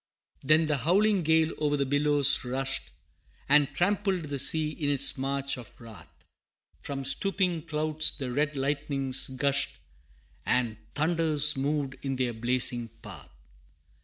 IV. Then the howling gale o'er the billows rushed, And trampled the sea in its march of wrath; From stooping clouds the red lightnings gushed, And thunders moved in their blazing path.